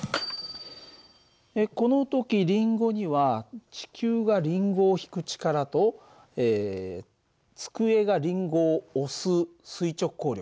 この時リンゴには地球がリンゴを引く力と机がリンゴを押す垂直抗力